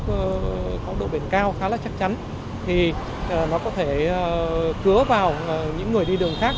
nó có độ biển cao khá là chắc chắn thì nó có thể cứa vào những người đi đường khác